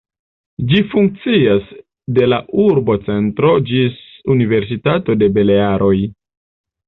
Ĝi funkcias de la urbocentro ĝis Universitato de Balearoj.